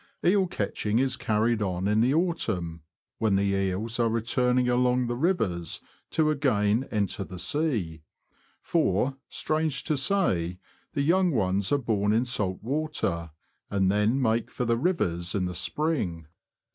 Eel catching is carried on in the autumn, when the eels are returning along the rivers to again enter the sea; for, strange to say, the young ones are born in salt water, and then make for the rivers in the spring.